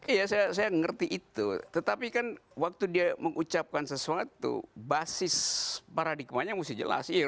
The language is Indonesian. iya saya mengerti itu tetapi kan waktu dia mengucapkan sesuatu basis paradigmanya mesti jelas